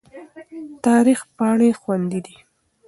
تاریخ پاڼې خوندي دي.